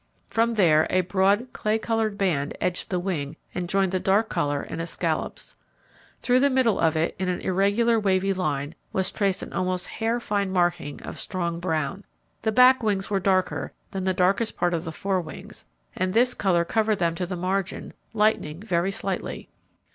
From there a broad clay coloured band edged the wing and joined the dark colour in escallops. Through the middle of it in an irregular wavy line was traced an almost hair fine marking of strong brown. The back wings were darker than the darkest part of the fore wings and this colour covered them to the margin, lightening very slightly.